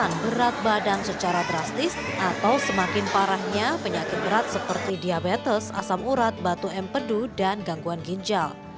jadi kita harus mengambil badan secara drastis atau semakin parahnya penyakit berat seperti diabetes asam urat batu empedu dan gangguan ginjal